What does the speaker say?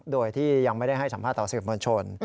โดยที่ยังไม่ได้ให้สัมภาษณ์ต่อสื่อมวลชน